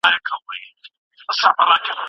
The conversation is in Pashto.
د ژوند معیار د ودي نښه ده.